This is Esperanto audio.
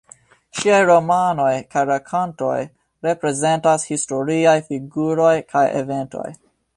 Ŝiaj romanoj kaj rakontoj reprezentas historiaj figuroj kaj eventoj.